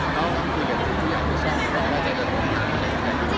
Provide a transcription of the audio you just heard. แล้วก็คุยเรื่องที่ผู้ยังไม่ชอบก็จะพูดคำถามอะไรอย่างนั้น